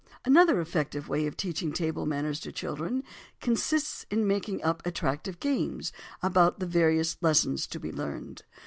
Another effective way of teaching table manners to children consists in making up attractive games about the various lessons to be learned.